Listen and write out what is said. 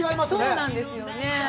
そうなんですよね。